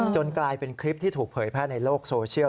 กลายเป็นคลิปที่ถูกเผยแพร่ในโลกโซเชียล